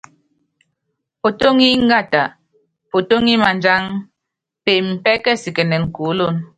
Potóŋi ingata, potóŋi madjang, peeme pɛ́kɛsikɛnɛn kuólono.